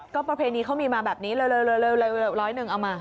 ก็ประเพณีเขามีมาแบบนี้เร็วร้อยหนึ่งเอามา